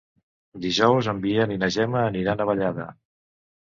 Dijous en Biel i na Gemma aniran a Vallada.